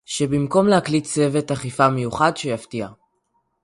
שבמקום להקים צוות אכיפה מיוחד שיפתיע